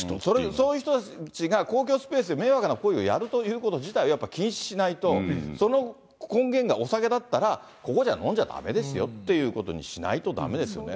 そういう人たちが、公共スペースで迷惑な行為をやること自体を禁止しないと、その根源がお酒だったら、ここじゃ、飲んじゃだめですよっていうことにしないとだめですよね。